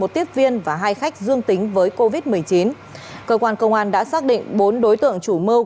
tiếp viên và hai khách dương tính với covid một mươi chín cơ quan công an đã xác định bốn đối tượng chủ mưu